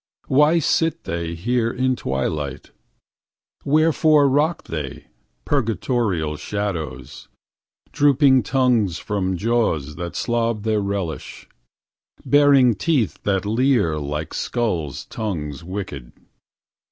Why sit they here in twilight? Wherefore rock they, purgatorial shadows, Drooping tongues from jaws that slob their relish, Baring teeth that leer like skulls' tongues wicked?